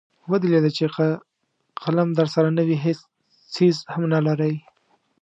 ودې لیدل چې که قلم درسره نه وي هېڅ څیز هم نلرئ.